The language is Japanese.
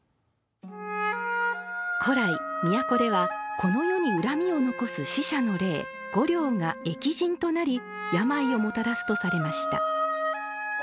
古来、都ではこの世に恨みを残す死者の霊御霊が疫神となり病をもたらすとされました。